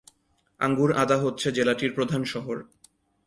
আঙ্গুর আদা হচ্ছে জেলাটির প্রধান শহর।